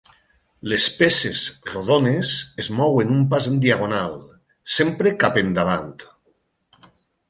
Les peces rodones es mouen un pas en diagonal, sempre cap endavant.